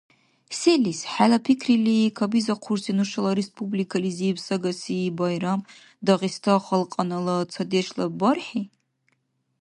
Селис, хӀела пикрили, кабизахъурси нушала республикализиб сагаси байрам — Дагъиста халкьанала цадешла БархӀи?